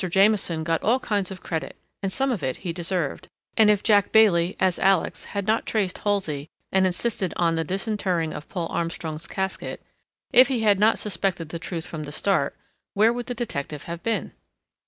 Jamieson got all kinds of credit, and some of it he deserved, but if Jack Bailey, as Alex, had not traced Halsey and insisted on the disinterring of Paul Armstrong's casket, if he had not suspected the truth from the start, where would the detective have been?